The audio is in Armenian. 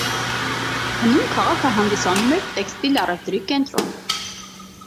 Հնում քաղաքը հանդիսանում էր տեքստիլ առևտրի կենտրոն։